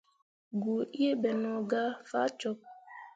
Goo ǝǝ ɓe no gah faa cok.